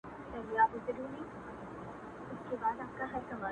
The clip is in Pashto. • جادوگري جادوگر دي اموخته کړم ـ